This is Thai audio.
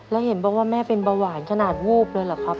แล้วเห็นบอกว่าแม่เป็นเบาหวานขนาดวูบเลยเหรอครับ